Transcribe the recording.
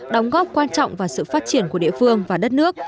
đóng góp quan trọng vào sự phát triển của địa phương và đất nước